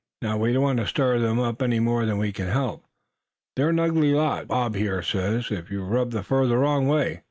Now, we don't want to stir them up any more than we can help. They're an ugly lot, Bob here says, if you rub the fur the wrong way.